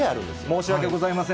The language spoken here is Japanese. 申し訳ございません。